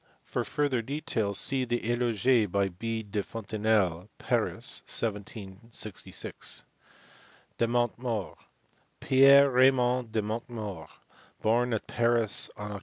For further details see the eloge by B. de Fontenelle, Paris, 1766. De Montmort, Pierre Raymond de Montmort, born at Paris on Oct.